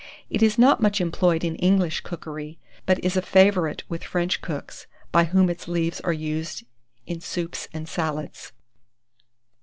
It is not much employed in English cookery, but is a favourite with French cooks, by whom its leaves are used in soups and salads.